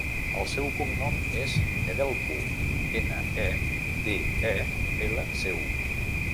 El seu cognom és Nedelcu: ena, e, de, e, ela, ce, u.